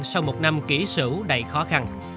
sau một năm kỹ xử đầy khó khăn